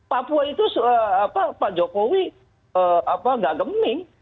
papua itu pak jokowi gak geming